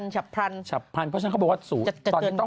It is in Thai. ชับพรรณเพราะฉะนั้นเขาบอกว่าสูง